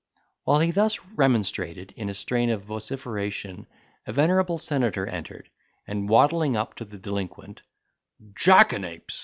While he thus remonstrated in a strain of vociferation, a venerable senator entered, and waddling up to the delinquent, "Jackanapes!"